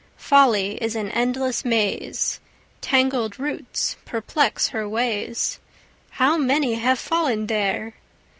Folly is an endless maze; Tangled roots perplex her ways; How many have fallen there!